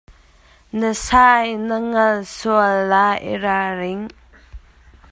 Na sei na ngalh sual lai i ralring.